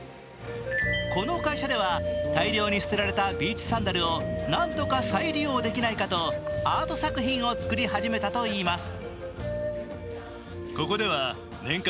この会社では、大量に捨てられたビーチサンダルを何とか再利用できないかと、アート作品を作り始めたといいます。